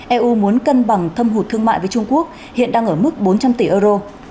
eu muốn cân bằng thâm hụt thương mại với trung quốc hiện đang ở mức bốn trăm linh tỷ euro